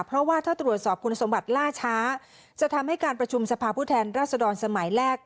เพราะว่าถ้าตรวจสอบคุณสมบัติล่าช้าจะทำให้การประชุมสภาพผู้แทนรัศดรสมัยแรก